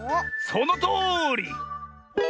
そのとおり！